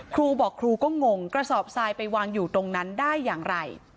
ครูบอกครูก็งงกระสอบทรายไปวางอยู่ตรงนั้นได้อย่างไร